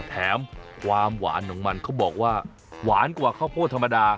แถมความหวานของมันเขาบอกว่าหวานกว่าข้าวโพดธรรมดา